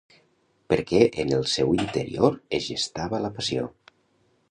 Perquè en el seu interior es gestava la passió.